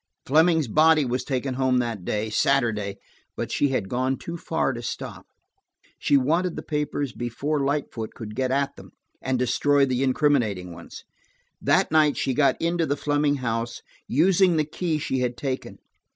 Fleming's body was taken home that day, Saturday, but she had gone too far to stop. She wanted the papers before Lightfoot could get at them and destroy the incriminating ones. That night she got into the Fleming house, using the key she had taken.